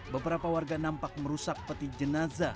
beberapa warga nampak merusak peti jenazah